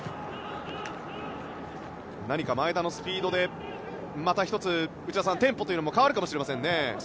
何か前田のスピードで、また１つ内田さん、テンポも変わるかもしれませんね。